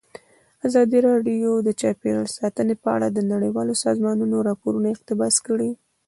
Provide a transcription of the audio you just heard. ازادي راډیو د چاپیریال ساتنه په اړه د نړیوالو سازمانونو راپورونه اقتباس کړي.